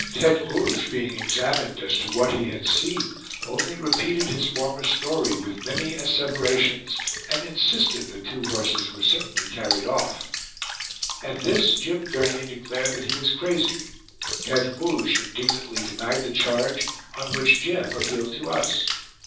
Tete Rouge, being examined as to what he had seen, only repeated his former story with many asseverations, and insisted that two horses were certainly carried off. At this Jim Gurney declared that he was crazy; Tete Rouge indignantly denied the charge, on which Jim appealed to us.